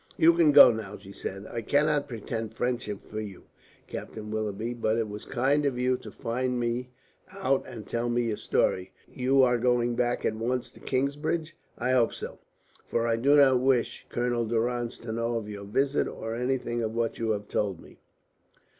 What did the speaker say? "You can go now," she said. "I cannot pretend friendship for you, Captain Willoughby, but it was kind of you to find me out and tell me your story. You are going back at once to Kingsbridge? I hope so. For I do not wish Colonel Durrance to know of your visit or anything of what you have told me."